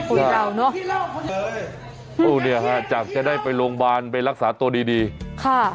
เราเนอะโอ้เนี่ยฮะจากจะได้ไปโรงพยาบาลไปรักษาตัวดีดีค่ะ